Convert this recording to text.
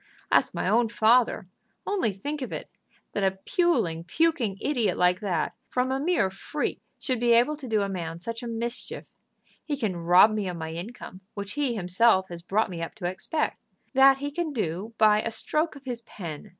"Ask my own father. Only think of it, that a puling, puking idiot like that, from a mere freak, should be able to do a man such a mischief! He can rob me of my income, which he himself has brought me up to expect. That he can do by a stroke of his pen.